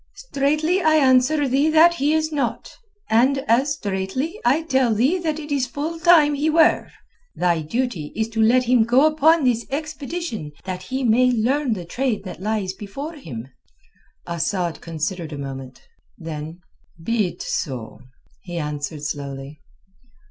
"Straightly I answer thee that he is not. And, as straightly, I tell thee that it is full time he were. Thy duty is to let him go upon this expedition that he may learn the trade that lies before him." Asad considered a moment. Then: "Be it so," he answered slowly.